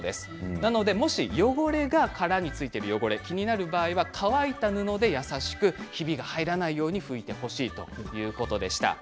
なのでもし汚れが殻に付いていて気になる場合は乾いた布で優しくひびが入らないように拭いてほしいということでした。